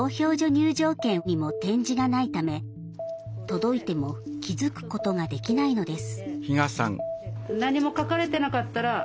入場券にも点字がないため届いても気付くことができないのです。